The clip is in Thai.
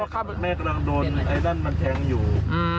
แม่กำลังโดนไอ้นั่นมันแทงอยู่